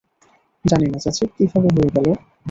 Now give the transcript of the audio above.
জানি না, চাচি, কিভাবে হয়ে গেল?